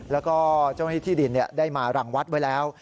แล้วก็เจ้างานที่ดินได้มาหลั่งวัดไว้แล้ว